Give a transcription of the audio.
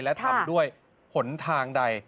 และทำด้วยหนทางใด